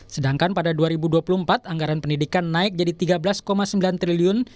sedangkan pada dua ribu dua puluh empat anggaran pendidikan naik jadi rp tiga belas sembilan triliun